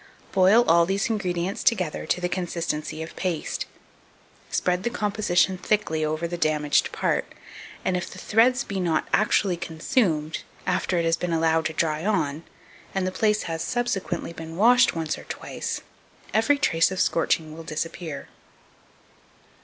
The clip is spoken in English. _ Boil all these ingredients together to the consistency of paste; spread the composition thickly over the damaged part, and if the threads be not actually consumed, after it has been allowed to dry on, and the place has subsequently been washed once or twice, every trace of scorching will disappear.